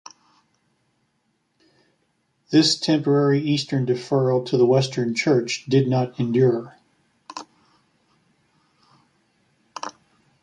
This temporary eastern deferral to the western church did not endure.